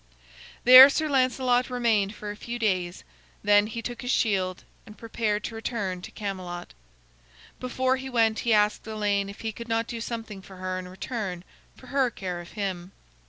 There Sir Lancelot remained for a few days; then he took his shield and prepared to return to Camelot. Before he went he asked Elaine if he could not do something for her in return for her care of him.